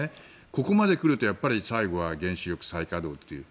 ここまで来ると最後は原子力再稼働という。